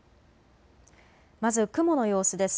まず雲の様子です。